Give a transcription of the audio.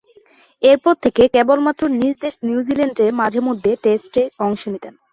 এরপর থেকে কেবলমাত্র নিজ দেশ নিউজিল্যান্ডে মাঝে-মধ্যে টেস্টে অংশ নিতেন।